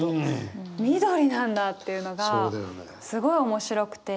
緑なんだっていうのがすごい面白くて。